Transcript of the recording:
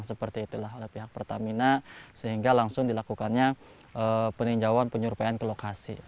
sehingga langsung dilakukannya peninjauan penyerupaan ke lokasi